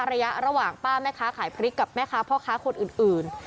ระยะระหว่างป้าแม่ค้าขายพริกกับแม่ค้าพ่อค้าคนอื่น